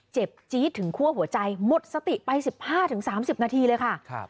จี๊ดถึงคั่วหัวใจหมดสติไป๑๕๓๐นาทีเลยค่ะ